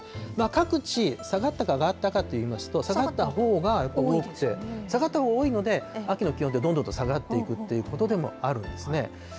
各地、下がったか、上がったかといいますと、下がったほうが多くて、下がったほうが多いので、秋の気温って、どんどんと下がっていくということでもあるんですね。